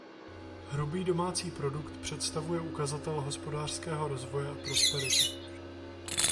Hrubý domácí produkt představuje ukazatel hospodářského rozvoje a prosperity.